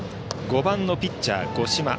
５番のピッチャー、五島。